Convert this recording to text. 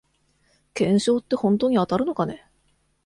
懸賞ってほんとに当たるのかね